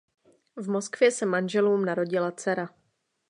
V Moskvě se manželům narodila dcera.